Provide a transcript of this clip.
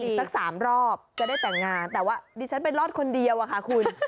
สัก๓รอบจะได้แต่งงานแต่ว่าดิฉันไปรอดคนเดียวอะค่ะคุณ